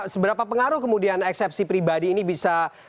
seberapa pengaruh kemudian eksepsi pribadi ini bisa